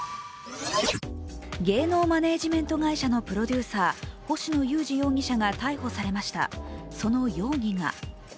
芸能マネージメント会社のプロデューサー、星野友志容疑者が逮捕されました。